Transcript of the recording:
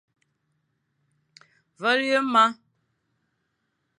Vale ye ma.